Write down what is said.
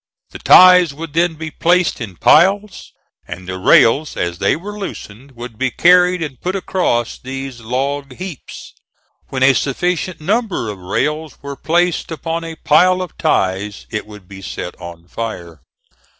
The ties would then be placed in piles, and the rails, as they were loosened, would be carried and put across these log heaps. When a sufficient number of rails were placed upon a pile of ties it would be set on fire.